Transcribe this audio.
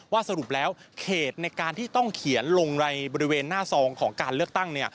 สรุปแล้วเขตในการที่ต้องเขียนลงในบริเวณหน้าซองของการเลือกตั้ง